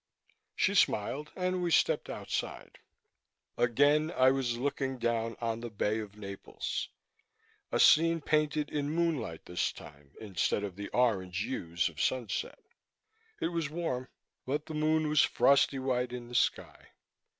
She smiled and we stepped outside. Again I was looking down on the Bay of Naples a scene painted in moonlight this time, instead of the orange hues of sunset. It was warm, but the Moon was frosty white in the sky.